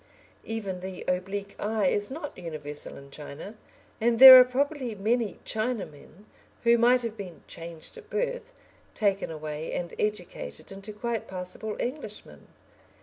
Even the oblique eye is not universal in China, and there are probably many Chinamen who might have been "changed at birth," taken away and educated into quite passable Englishmen.